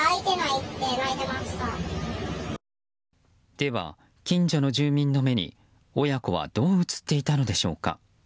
では、近所の住民の目に親子はどう映っていたのでしょうか。